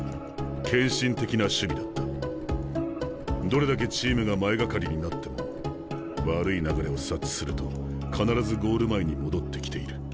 どれだけチームが前がかりになっても悪い流れを察知すると必ずゴール前に戻ってきている。